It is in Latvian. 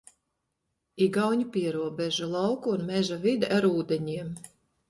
Igauņu pierobeža, lauku un meža vide ar ūdeņiem.